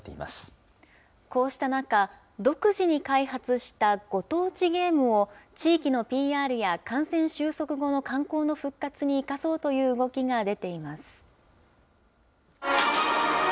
こうした中、独自に開発したご当地ゲームを、地域のＰＲや、感染収束後の観光の復活に生かそうという動きが出ています。